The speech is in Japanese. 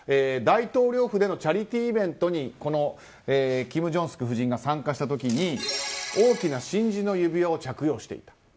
大統領府でのチャリティーイベントにこのキム・ジョンスク夫人が参加した時に大きな真珠の指輪を着用している。